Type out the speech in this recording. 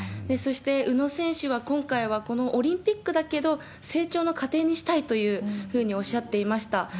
そして、宇野選手は今回はこのオリンピックだけど、成長の過程にしたいというふうにおっしゃっていました。